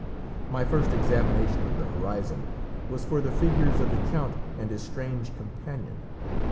My first examination of the horizon was for the figures of the count and his strange companion.